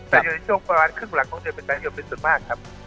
แต่อยู่ในช่วงประมาณครึ่งหลังของเดือนกันยายนเป็นส่วนมากครับ